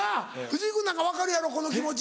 藤井君なんか分かるやろこの気持ち。